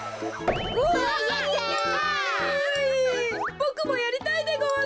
ボクもやりたいでごわす。